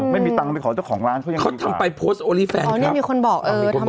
ไม่มีตังค์ไปขอเจ้าของร้านเข้ายังไงครับ